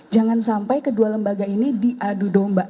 jangan sampai kedua lembaga ini diadu domba